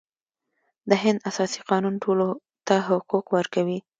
د هند اساسي قانون ټولو ته حقوق ورکوي.